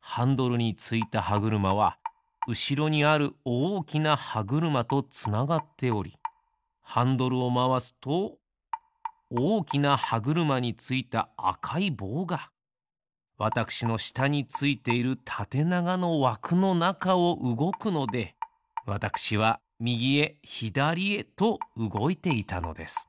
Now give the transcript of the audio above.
ハンドルについたはぐるまはうしろにあるおおきなはぐるまとつながっておりハンドルをまわすとおおきなはぐるまについたあかいぼうがわたくしのしたについているたてながのわくのなかをうごくのでわたくしはみぎへひだりへとうごいていたのです。